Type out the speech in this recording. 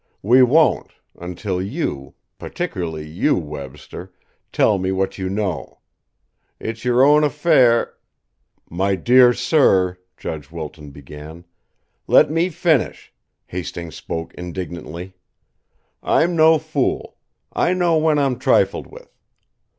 We won't, until you particularly you, Webster tell me what you know. It's your own affair " "My dear sir " Judge Wilton began. "Let me finish!" Hastings spoke indignantly. "I'm no fool; I know when I'm trifled with.